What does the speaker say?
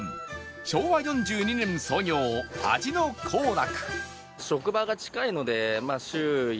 昭和４２年創業味の幸楽